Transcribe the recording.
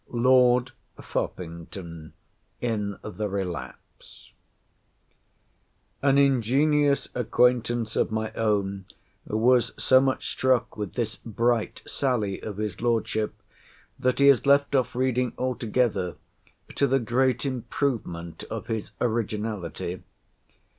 Lord Foppington in the Relapse. An ingenious acquaintance of my own was so much struck with this bright sally of his Lordship, that he has left off reading altogether, to the great improvement of his originality.